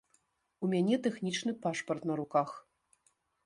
У мяне тэхнічны пашпарт на руках.